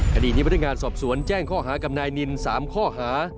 คดีนี้พนักงานสอบสวนแจ้งข้อหากับนายนิน๓ข้อหา